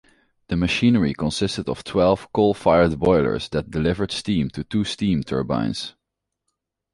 The machinery consisted of twelve coal-fired boilers that delivered steam to two steam turbines.